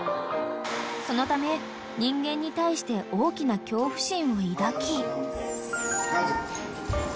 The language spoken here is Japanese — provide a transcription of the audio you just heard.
［そのため人間に対して大きな恐怖心を抱き］